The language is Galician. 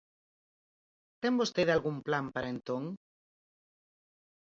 ¿Ten vostede algún plan para entón?